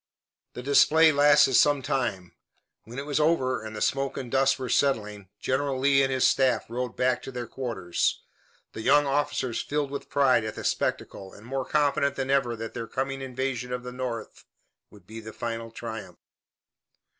The display lasted some time. When it was over and the smoke and dust were settling, General Lee and his staff rode back to their quarters, the young officers filled with pride at the spectacle and more confident than ever that their coming invasion of the North would be the final triumph.